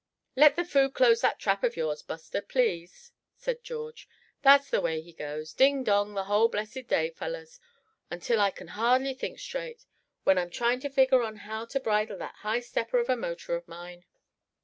"Let the food close that trap of yours, Buster, please," said George. "That's the way he goes, ding dong, the whole blessed day, fellows; until I can hardly think straight, when I'm trying to figure on how to bridle that high stepper of a motor of mine."